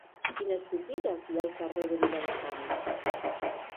Quines botigues hi ha al carrer de Viladecans?